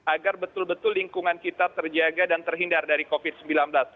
agar betul betul lingkungan kita terjaga dan terhindar dari covid sembilan belas